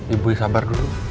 ibu yang sabar dulu